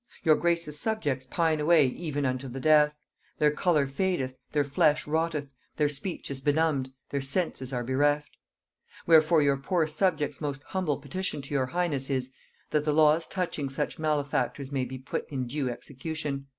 Your grace's subjects pine away even unto the death; their color fadeth, their flesh rotteth, their speech is benumbed, their senses are bereft. Wherefore your poor subjects' most humble petition to your highness is, that the laws touching such malefactors may be put in due execution.